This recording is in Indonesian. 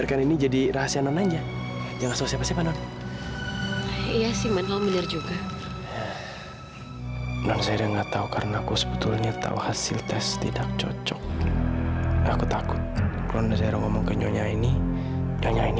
kenapa harus berdua duaan